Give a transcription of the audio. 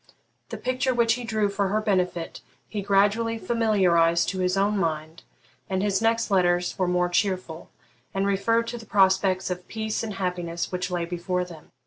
The picture which he drew for her benefit he gradually familiarised to his own mind, and his next letters were more cheerful, and referred to the prospects of peace and happiness which lay before them.